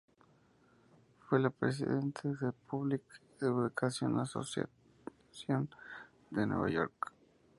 Fue la presidente de la Public Education Association de Nueva York.